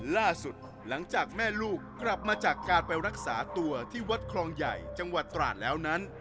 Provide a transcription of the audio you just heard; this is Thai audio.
ล่าสุดหลังจากแม่ลูกกลับมาจากการไปรักษาตัวที่วัดคลองใหญ่จังหวัดตราดแล้วนั้น